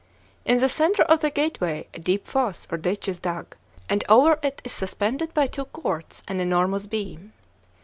In the centre of the gateway a deep fosse or ditch is dug, and over it is suspended by two cords an enormous beam.